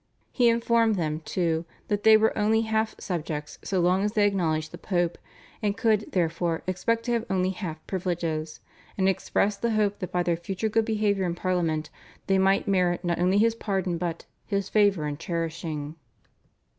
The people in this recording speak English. He informed them, too, that they were only half subjects so long as they acknowledged the Pope, and could, therefore, expect to have only half privileges, and expressed the hope that by their future good behaviour in Parliament they might merit not only his pardon but "his favour and cherishing."